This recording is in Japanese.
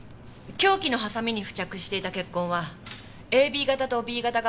凶器のハサミに付着していた血痕はＡＢ型とＢ型が混ざった状態でした。